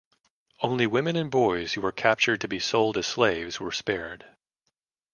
Only women and boys who were captured to be sold as slaves were spared.